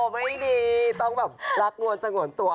ไม่ดีต้องแบบรักงวนสงวนตัว